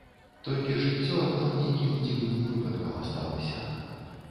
Толькі жыццё адно нейкім дзіўным выпадкам асталася.